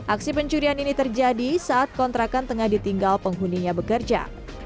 aksi pencurian ini terjadi saat kontrakan tengah ditinggal penghuninya bekerja